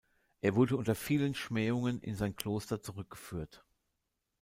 Er wurde unter vielen Schmähungen in sein Kloster zurückgeführt.